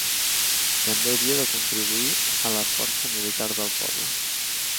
També havia de contribuir a la força militar del poble.